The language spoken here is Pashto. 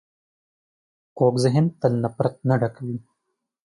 کوږ ذهن تل له نفرت نه ډک وي